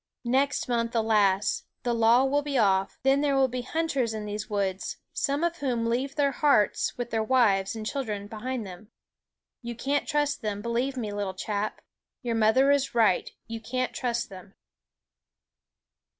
Next month, alas! the law will be off; then there will be hunters in these woods, some of whom leave their hearts, with their wives and children, behind them. You can't trust them, believe me, little chap. Your mother is right; you can't trust them."